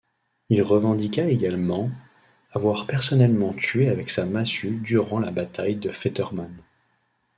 Il revendiqua également avoir personnellement tué avec sa massue durant la bataille de Fetterman.